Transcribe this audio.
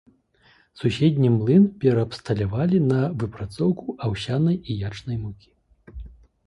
Суседні млын пераабсталявалі на выпрацоўку аўсянай і ячнай мукі.